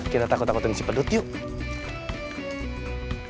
kita takut takutin si pedut yuk